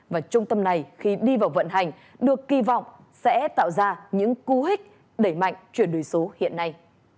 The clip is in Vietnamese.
và trung tâm này khi đi vào vận hành được kỳ vọng sẽ tạo ra những cú hích đẩy mạnh chuyển đổi số hiện nay